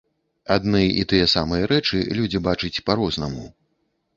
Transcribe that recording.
Адны і тыя самыя рэчы людзі бачыць па-рознаму.